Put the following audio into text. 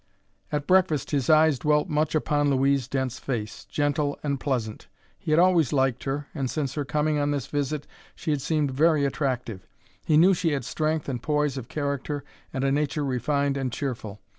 At breakfast his eyes dwelt much upon Louise Dent's face, gentle and pleasant. He had always liked her, and since her coming on this visit she had seemed very attractive. He knew she had strength and poise of character and a nature refined and cheerful.